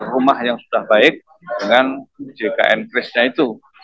rumah yang sudah baik dengan jkn krisnya itu